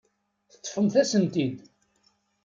Teṭṭfemt-asen-ten-id.